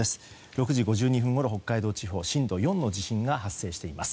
６時５２分ごろ北海道地方震度４の地震が発生しています。